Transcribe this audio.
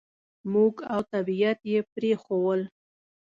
موږ او طبعیت یې پرېښوول.